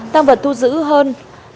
tang vật thu giữ hơn